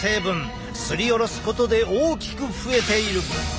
すりおろすことで大きく増えている。